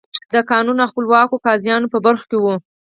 د قانون او خپلواکو قاضیانو په برخو کې وو.